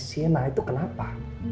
siana itu kenapa